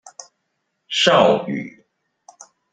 邵語